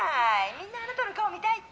みんなあなたの顔見たいって」。